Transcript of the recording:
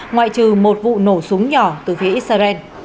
ngoại trừ một vụ nổ súng nhỏ từ phía israel